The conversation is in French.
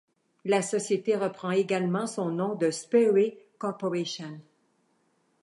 La société reprend également son nom de Sperry Corporation.